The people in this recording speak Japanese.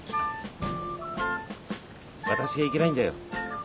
私がいけないんだよ。